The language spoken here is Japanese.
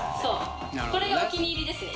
これがお気に入りですね。